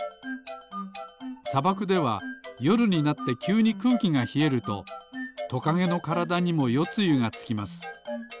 さばくではよるになってきゅうにくうきがひえるとトカゲのからだにもよつゆがつきます。